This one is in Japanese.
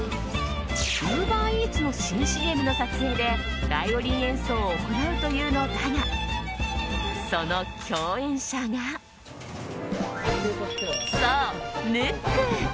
ウーバーイーツの新ＣＭの撮影でバイオリン演奏を行うというのだが、その共演者がそう、ムック！